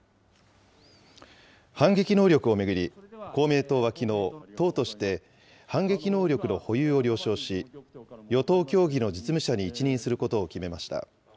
反撃能力を巡り、公明党はきのう、党として、反撃能力の保有を了承し、与党協議の実務者に一任することを決めました。